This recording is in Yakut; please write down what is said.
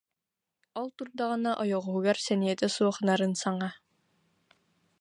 Ол турдаҕына ойоҕоһугар сэниэтэ суох нарын саҥа: